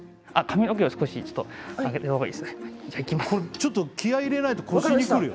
ちょっと気合い入れないと腰に来るよ。